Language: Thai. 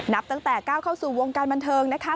นับตั้งแต่ก้าวเข้าสู่วงการบันเทิงนะคะ